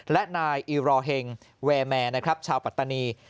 และนายอิรอเหงเวรแมร์ชาวปัตตานี